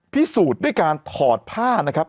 พิสูจน์ด้วยการถอดผ้านะครับ